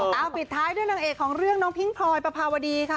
เอาปิดท้ายด้วยนางเอกของเรื่องน้องพิ้งพลอยปภาวดีค่ะ